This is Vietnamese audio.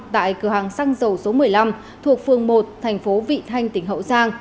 tại cửa hàng xăng dầu số một mươi